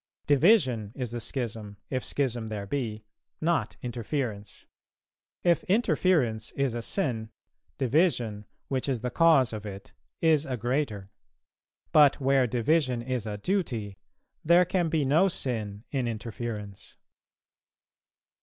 Division is the schism, if schism there be, not interference. If interference is a sin, division which is the cause of it is a greater; but where division is a duty, there can be no sin in interference.